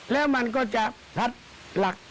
แล้วมันก็จะพัดหลัก